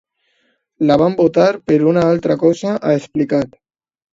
La vam votar per una altra cosa, ha explicat.